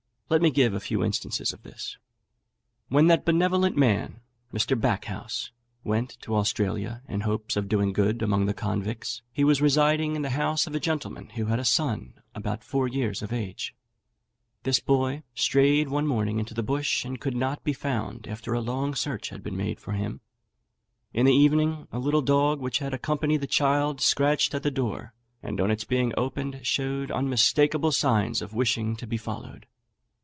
Let me give a few instances of this. When that benevolent man, Mr. Backhouse, went to Australia, in hopes of doing good among the convicts, he was residing in the house of a gentleman who had a son about four years of age. This boy strayed one morning into the bush, and could not be found after a long search had been made for him. In the evening a little dog, which had accompanied the child, scratched at the door, and on its being opened showed unmistakeable signs of wishing to be followed.